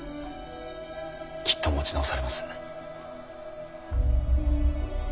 きっと持ち直されます。